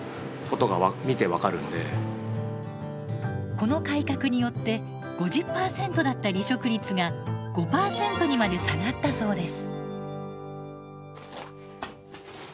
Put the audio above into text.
この改革によって５０％だった離職率が５％にまで下がったそうです。